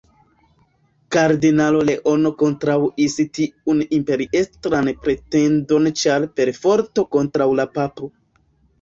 Kardinalo Leono kontraŭis tiun imperiestran pretendon ĉar perforto kontraŭ la papo.